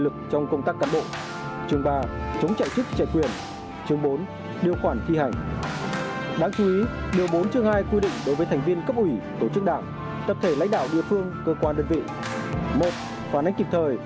chồng con đẻ con nuôi con dâu con rể anh chị em tuyệt